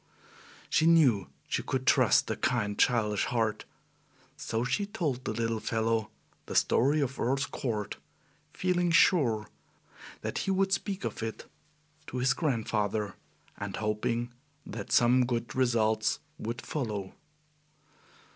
She knew she could trust the kind, childish heart; so she told the little fellow the story of Earl's Court, feeling sure that he would speak of it to his grandfather, and hoping that some good results would follow.